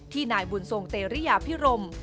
ที่หน่ายบุญทรงเตรียพิรม